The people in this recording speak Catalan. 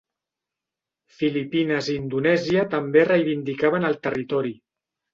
Filipines i Indonèsia també reivindicaven el territori.